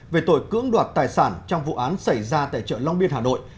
về tội cưỡng đoạt tài sản trong vụ án xảy ra tại chợ long biên hà nội